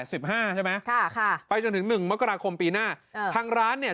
๑๕ใช่ไหมไปจนถึง๑มกราคมปีหน้าทั้งร้านเนี่ย